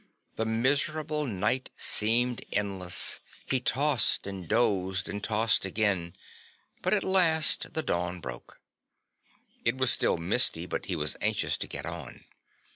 The miserable night seemed endless, he tossed and dozed and tossed again, but at last the dawn broke. It was still misty but he was anxious to get on.